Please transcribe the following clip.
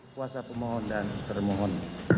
kuasa pemohon dan termohon